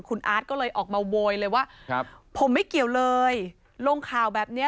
คุณอาร์ตก็เลยออกมาโวยเลยว่าผมไม่เกี่ยวเลยลงข่าวแบบนี้